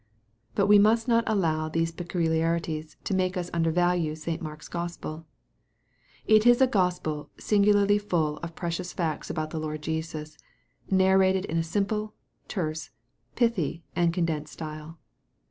But we must not allow these peculiarities to make us undervalue St. Mark's Gospel. It is a Gospel singularly full of precious facts about the Lord Jesus, narrated in a simple, terse, pithy, and condensed style.